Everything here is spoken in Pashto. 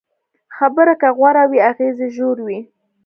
خبره که غوره وي، اغېز یې ژور وي.